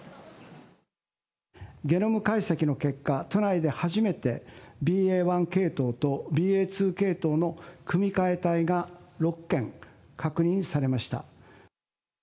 ゲノム解析の結果、都内で初めて、ＢＡ．１系統とＢＡ．２系統の組み換え体が６件確認されました。